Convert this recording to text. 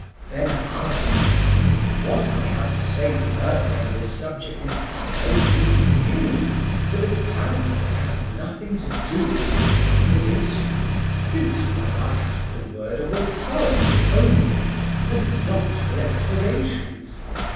Then I added: "What I have to say further on this subject is by no means new, but apparently it has nothing to do with the case at issue, since you have asked for the word of authority only, and not for explanations.